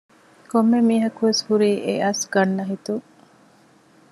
ކޮންމެ މީހަކު ވެސް ހުރީ އެއަސް ގަންނަހިތުން